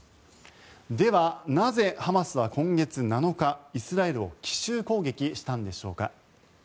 では、なぜハマスは今月７日イスラエルを奇襲攻撃したんでしょうか。